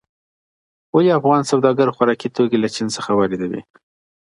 ولې افغان سوداګر خوراکي توکي له چین څخه واردوي؟